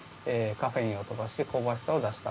カフェインを飛ばして香ばしさを出した。